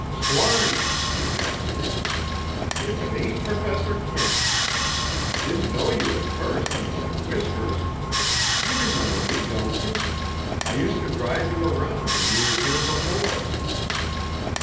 "Swanny!" he ejaculated, "if it ain't Perfessor Kent! Didn't know you at first under them whiskers. You remember me, don't you? I used to drive you around when you was here before."